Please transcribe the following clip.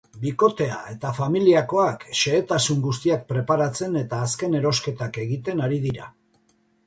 Bikotea eta familiakoak xehetasun guztiak preparatzen eta azken erosketak egiten ari dira.